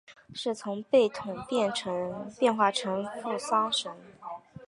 是从贝桶变化成的付丧神。